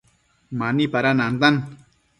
Mani pada nantan